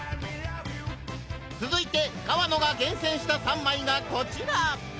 続いて河野が厳選した３枚がコチラ！